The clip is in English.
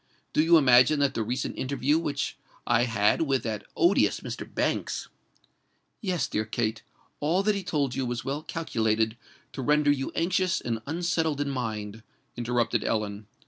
do you imagine that the recent interview which I had with that odious Mr. Banks——" "Yes, dear Kate: all that he told you was well calculated to render you anxious and unsettled in mind," interrupted Ellen.